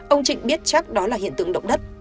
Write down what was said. ông trịnh biết chắc đó là hiện tượng động đất